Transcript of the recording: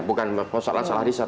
bukan masalah salah riset